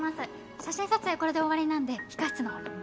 写真撮影これで終わりなんで控え室の方に。